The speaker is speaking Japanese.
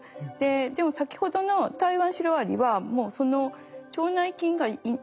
でも先ほどのタイワンシロアリはもうその腸内菌がいない。